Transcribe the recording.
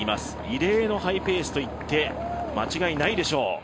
異例のハイペースといって間違いないでしょう。